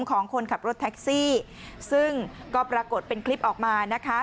ของคนขับรถแท็กซี่ซึ่งก็ปรากฏเป็นคลิปออกมานะคะ